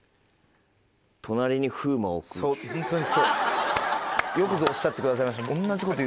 ホントにそうよくぞおっしゃってくださいました。